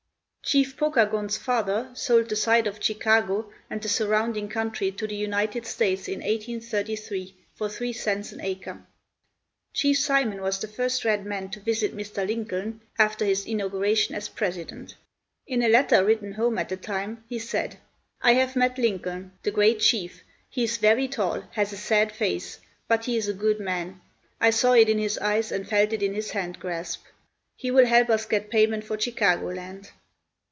Chief Pokagon's father sold the site of Chicago and the surrounding country to the United States in 1833 for three cents an acre. Chief Simon was the first red man to visit Mr. Lincoln after his inauguration as president. In a letter written home at the time, he said: "I have met Lincoln, the great chief; he is very tall, has a sad face, but he is a good man; I saw it in his eyes and felt it in his hand grasp. He will help us get payment for Chicago land."